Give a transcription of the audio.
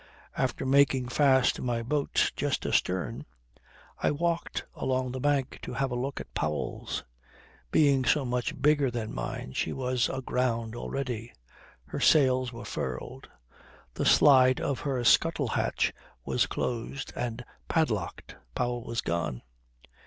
After making fast my boat just astern, I walked along the bank to have a look at Powell's. Being so much bigger than mine she was aground already. Her sails were furled; the slide of her scuttle hatch was closed and padlocked. Powell was gone.